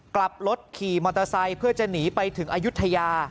กลับรถขี่มอเตอร์ไซค์เพื่อจะหนีไปถึงอายุทยา